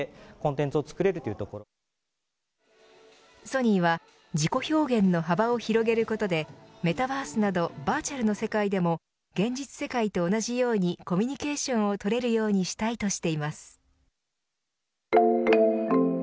ソニーは自己表現の幅を広げることでメタバースなどバーチャルの世界でも現実世界と同じようにコミュニケーションを取れるようにしたいとしています。